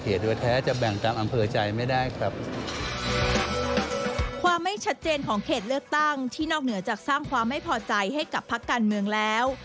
ที่นอกเหนือจากสร้างความไม่พอใจให้กับพักการเมืองแล้ว